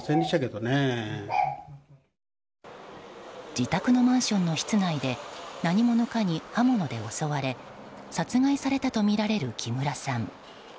自宅のマンションの室内で何者かに刃物で襲われ殺害されたとみられる木村さん。